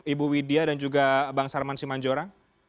ibu widya dan juga bang sarman simanjora